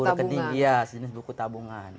memiliki buku rekening iya sejenis buku tabungan